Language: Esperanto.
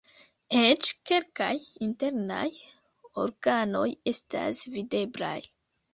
Eĉ kelkaj internaj organoj estas videblaj.